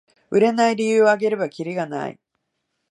売れない理由をあげればキリがない